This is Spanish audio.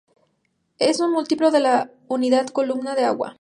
Es un múltiplo de la unidad columna de agua.